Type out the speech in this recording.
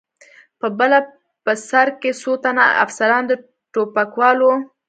د پله په سر کې څو تنه افسران، له ټوپکوالو.